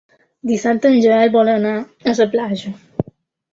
Dissabte en Joel vol anar a la platja.